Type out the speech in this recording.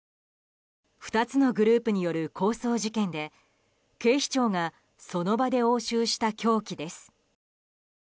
２つのグループによる抗争事件で警視庁がその場で押収した凶器です。